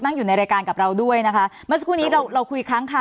อยู่ในรายการกับเราด้วยนะคะเมื่อสักครู่นี้เราเราคุยอีกครั้งค่ะ